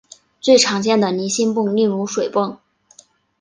最常见的离心泵例如水泵。